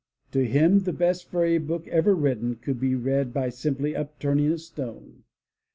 To him, the best fairy book ever written could be read by simply upturning a stone.